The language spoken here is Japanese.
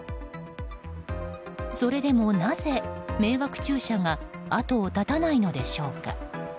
それでもなぜ、迷惑駐車が後を絶たないのでしょうか。